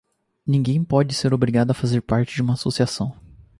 Ninguém pode ser obrigado a fazer parte de uma associação.